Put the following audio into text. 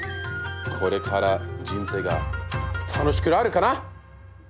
これから人生が楽しくなるかな！